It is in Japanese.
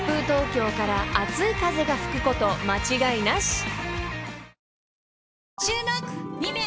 東京から熱い風が吹くこと間違いなし］